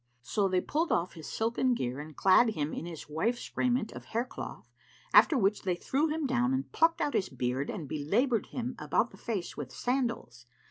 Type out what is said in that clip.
So they pulled off his silken gear and clad him in his wife's raiment of hair cloth, after which they threw him down and plucked out his beard and belaboured him about the face with sandals.